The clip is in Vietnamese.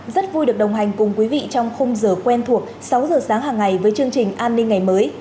rất vui được đồng hành cùng quý vị trong khung giờ quen thuộc sáu giờ sáng hàng ngày với chương trình an ninh ngày mới